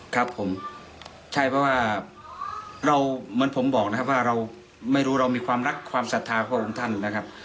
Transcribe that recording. ครับผมใช่เพราะว่าเราเหมือนผมบอกนะครับว่าเราไม่รู้เรามีความรักความศรัทธาพระองค์ท่านนะครับ